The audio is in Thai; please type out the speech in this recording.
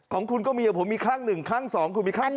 ของคุณก็มีผมมีคลั่งหนึ่งคลั่งสองคุณมีคลั่งสาม